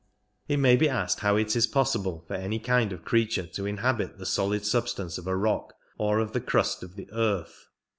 It may be asked how it is possible for any kind of creature to inhabit the solid substance of a rock, or of the crust of the earth.